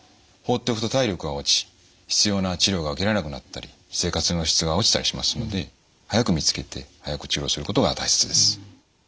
放っておくと体力が落ち必要な治療が受けられなくなったり生活の質が落ちたりしますので早く見つけて早く治療することが大切です。